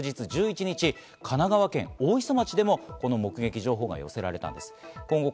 さらに翌日１１日には神奈川県大磯町でもこの目撃情報が寄せられたんです。